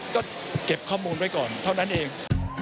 ก็เก็บข้อมูลไว้ก่อนเท่านั้นเอง